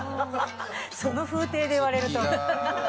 その風体で言われると。